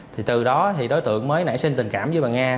thì từ đó thì đối tượng mới nảy sinh tình cảm với bà nga